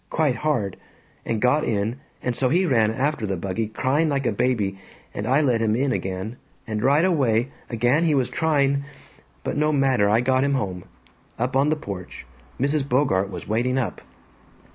Quite hard. And got in, and so he ran after the buggy, crying like a baby, and I let him in again, and right away again he was trying But no matter. I got him home. Up on the porch. Mrs. Bogart was waiting up.